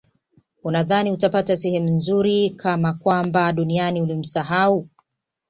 unadhani utapata sehemu nzuri kama kwamba duniani ulimsahau